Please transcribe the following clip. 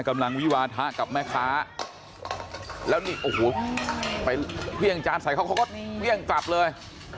วิวาทะกับแม่ค้าแล้วนี่โอ้โหไปเครื่องจานใส่เขาเขาก็เวี่ยงกลับเลย